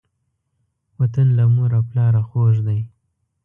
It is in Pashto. وطن له مور او پلاره خوږ دی.